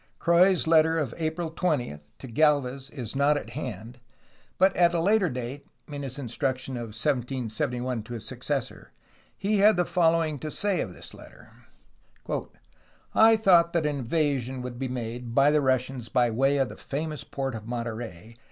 Croix's letter of April 20 to Galvez is not at hand, but at a later date (in his instruction of 1771 to his successor) he had the follow ing to say of this letter: " I thought that an invasion would be made [by the Russians] by way of the famous port of Monterey